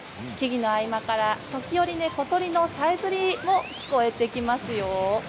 木々の合間から時折小鳥のさえずりも聞こえてきますよ。